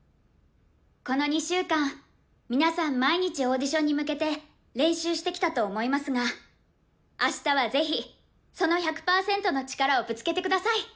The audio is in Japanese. この２週間皆さん毎日オーディションに向けて練習してきたと思いますがあしたはぜひその１００パーセントの力をぶつけてください。